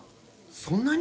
そんなに？